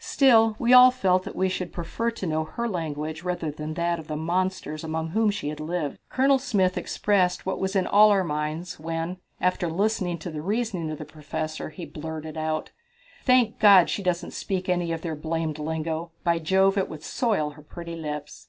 Still, we all felt that we should prefer to know her language rather than that of the monsters among whom she had lived. Colonel Smith expressed what was in all our minds when, after listening to the reasoning of the Professor, he blurted out: "Thank God, she doesn't speak any of their blamed lingo! By Jove, it would soil her pretty lips."